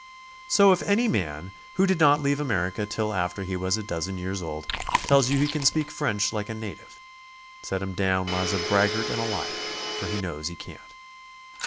So if any man who did not leave America till after he was a dozen years old tells you he can speak French like a native, set him down as a braggart and a liar, for he knows he can't.